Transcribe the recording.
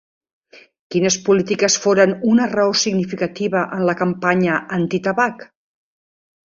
Quines polítiques foren una raó significativa en la campanya antitabac?